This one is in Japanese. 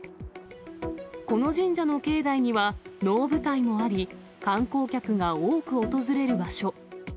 この神社の境内には能舞台もあり、観光客が多く訪れる場所。